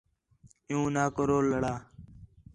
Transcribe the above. عِیّوں نہ کرو لڑا